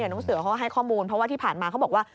น้องเสือเขาก็ให้ข้อมูลเพราะว่าที่ผ่านมาเขาบอกว่า